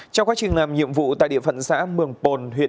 trong quá trình làm nhiệm vụ tại địa phận xã mường bồn